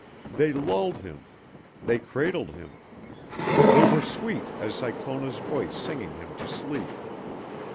They lulled him. They cradled him. They were sweet as Cyclona's voice singing him to sleep.